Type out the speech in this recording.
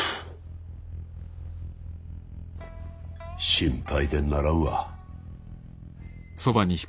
心配でならんわ。